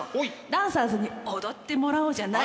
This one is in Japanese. ダンサーズに踊ってもらおうじゃないの。